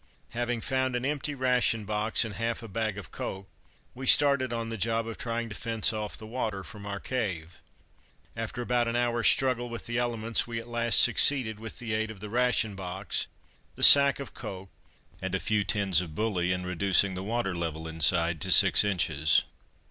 Having found an empty ration box and half a bag of coke, we started on the job of trying to fence off the water from our cave. After about an hour's struggle with the elements we at last succeeded, with the aid of the ration box, the sack of coke and a few tins of bully, in reducing the water level inside to six inches.